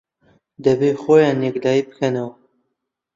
دەبێ خۆیان یەکلایی بکەنەوە